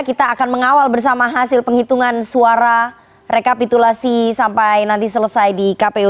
kita akan mengawal bersama hasil penghitungan suara rekapitulasi sampai nanti selesai di kpu